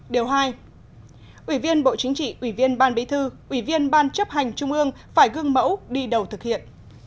điều hai ủy viên bộ chính trị ủy viên ban bí thư ủy viên ban chấp hành trung ương phải gương mẫu đi đầu thực hiện